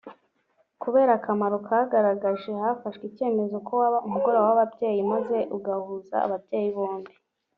Kubera akamaro kagaragaje hafashwe icyemezo ko waba ‘Umugoroba w’Ababyeyi’ maze ugahuza ababyeyi bombi